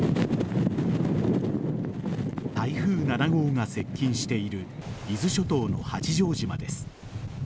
台風７号が接近している伊豆諸島の八丈島です。